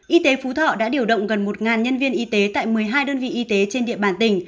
y tế phú thọ đã điều động gần một nhân viên y tế tại một mươi hai đơn vị y tế trên địa bàn tỉnh